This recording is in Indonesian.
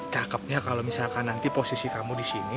cakepnya kalau misalkan nanti posisi kamu di sini